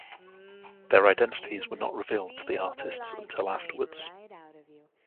Their identities were not revealed to the artists until afterwards.